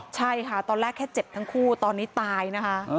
ใช่ค่ะตอนแรกแค่เจ็บทั้งคู่ตอนนี้ตายนะคะ